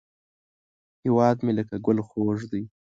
هیواد مې لکه ګل خوږ دی